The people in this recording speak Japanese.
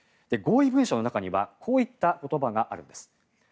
合意文書の中にはこういった言葉があるんです。